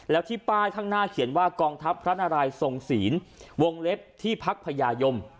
แล้วที่ป้ายข้างหน้าเขียนว่ากองทัพพระนารายทรงศีลวงเล็บที่พักพญายม